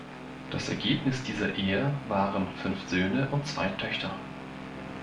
Das Ergebnis dieser Ehe waren fünf Söhne und zwei Töchter.